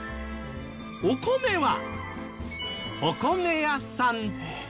お米はお米屋さん。